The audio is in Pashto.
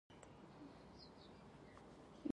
احمد تل د ملک خوټو ته اوبه وراچوي.